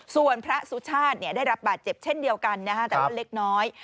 ส่วนพระสุชาติได้รับบาดเจ็บเช่นเดียวกันนะฮะแต่ว่าเล็กน้อย